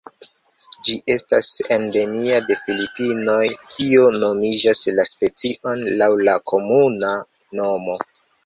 Ĝi estas endemia de Filipinoj, kio nomigas la specion laŭ la komuna nomo.